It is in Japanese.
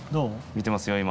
見てますよ今。